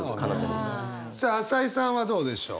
さあ朝井さんはどうでしょう？